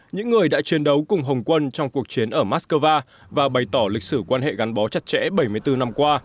những người đã chiến đấu cùng hồng quân trong cuộc chiến ở moscow và bày tỏ lịch sử quan hệ gắn bó chặt chẽ bảy mươi bốn năm qua